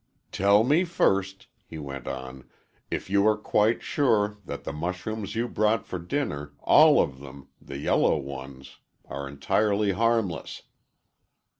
"Tell me first," he went on, "if you are quite sure that the mushrooms you brought for dinner all of them the yellow ones are entirely harmless."